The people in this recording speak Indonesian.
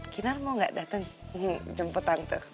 kinar mau gak datang jemput tante